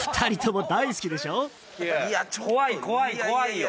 怖い怖い怖いよ。